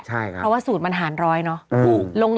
เพราะว่าสูตรมันหารร้อยเนอะ